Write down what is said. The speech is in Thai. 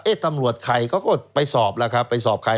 ตำรวจใครเขาก็ไปสอบล่ะครับไปสอบใคร